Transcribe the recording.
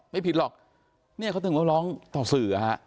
ไม่ผิดหรอกนี่เขาต้องร้องต่อสื่อ